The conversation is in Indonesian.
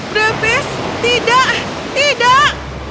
brevis tidak tidak